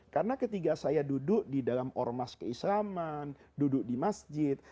karena ketika saya duduk di dalam ormas keislaman duduk di masjid